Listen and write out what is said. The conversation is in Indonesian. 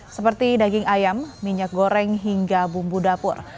seperti daging ayam minyak goreng hingga bumbu dapur